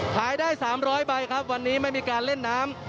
ขายได้๓๐๐ใบครับวันนี้ไม่มีการเล่นน้ำ